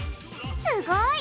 すごい！